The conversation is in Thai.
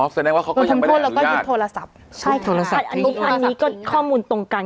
อ๋อแสดงว่าเขาก็ยังไม่ได้อรุญาตโทรศัพท์ใช่ค่ะอันนี้ก็ข้อมูลตรงกัน